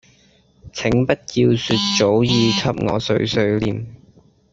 請不要說早已給我碎碎唸